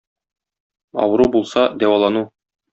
Авыру булса - дәвалану.